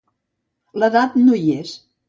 L'edat no hi és.